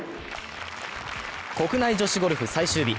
国内女子ゴルフ最終日。